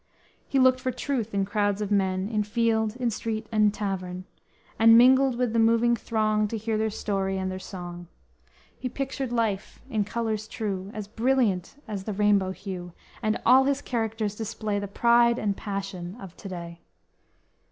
He looked for truth in crowds of men, In field, in street, in tavern, And mingled with the moving throng To hear their story and their song, He pictured life in colors true, As brilliant as the rainbow hue, And all his characters display The pride and passion of to day.